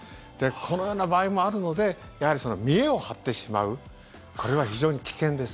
このような場合もあるのでやはり、見えを張ってしまうこれは非常に危険です。